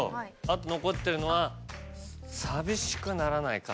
あと残ってるのは「寂しくならない傘」。